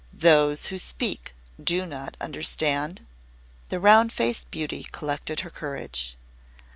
Those who speak do not understand'?" The Round Faced Beauty collected her courage.